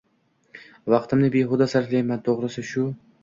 Vaqtimni behuda sarflayapman. Toʻgʻrisi shu.